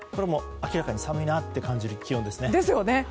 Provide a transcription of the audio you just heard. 明らかに寒いなと感じる気温ですね。